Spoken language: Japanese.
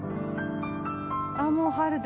ああ、もう春だ。